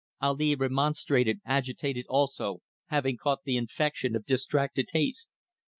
Ali remonstrated, agitated also, having caught the infection of distracted haste.